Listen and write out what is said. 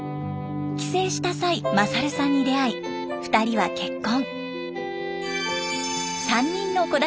帰省した際勝さんに出会い２人は結婚。